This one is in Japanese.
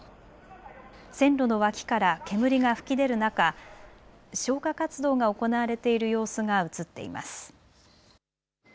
線路の脇から煙が吹き出る中、消火活動が行われている様子が写っています。